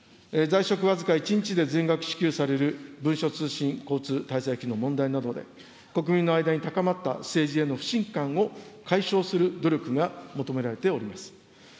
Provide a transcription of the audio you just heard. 在職僅か１日で全額支給される文書通信交通滞在費の問題などで、国民の間に高まった政治への不信感を解消する努力が求められております。